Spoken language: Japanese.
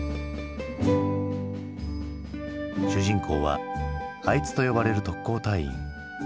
主人公は「あいつ」と呼ばれる特攻隊員。